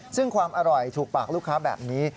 ซึ่งความอร่อยถูกปากลูกค้าแบบนี้